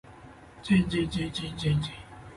jjjjjjjjjjjjjjjjj